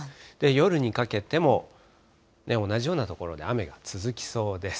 夜にかけても、同じような所で雨が続きそうです。